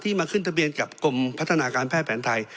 มาขึ้นทะเบียนกับกรมพัฒนาการแพทย์แผนไทย